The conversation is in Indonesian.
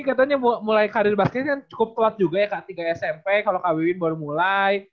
katanya mulai karir bakti kan cukup telat juga ya kak tiga smp kalau kak wiwi baru mulai